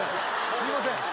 すみません。